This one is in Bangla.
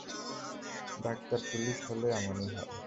ডাক্তার, পুলিশ হলে এমনই হয়!